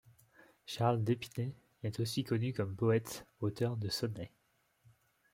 Charles D'Espinay est aussi connu comme poète, auteur de sonnets.